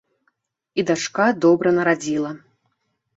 І дачка добра нарадзіла.